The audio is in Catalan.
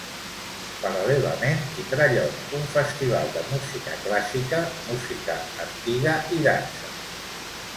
Paral·lelament, tindrà lloc un festival de música clàssica, música antiga i dansa.